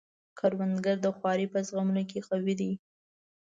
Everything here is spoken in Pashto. کروندګر د خوارۍ په زغملو کې قوي دی